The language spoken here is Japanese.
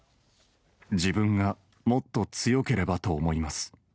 自分がもっと強ければと思います。